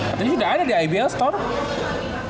katanya udah ada di ibl store